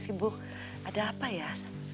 sibuk ada apa ya